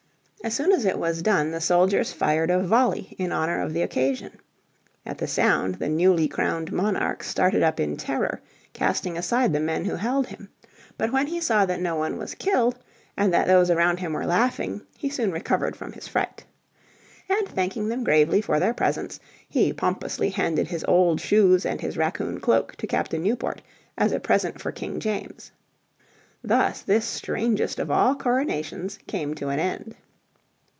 As soon as it was done the soldiers fired a volley in honour of the occasion. At the sound the newly crowned monarch started up in terror, casting aside the men who held him. But when he saw that no one was killed, and that those around him were laughing, he soon recovered from his fright. And thanking them gravely for their presents he pompously handed his old shoes and his raccoon cloak to Captain Newport as a present for King James. Thus this strangest of all coronations came to an end.